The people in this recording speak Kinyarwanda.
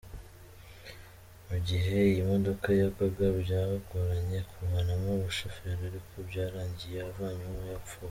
Mu gihe iyi modoka yagwaga, byagoranya kuvanamo umushoferi, ariko byarangiye avanywemo yapfuye.